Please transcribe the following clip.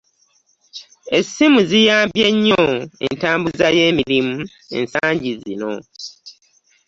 Essimu ziyambye nnyo entambuza y'emirimu ensangi zino.